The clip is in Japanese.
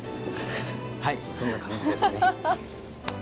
はいそんな感じですね。